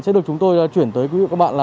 sẽ được chúng tôi chuyển tới quý vị các bạn